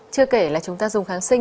chưa kể là chúng ta dùng kháng sinh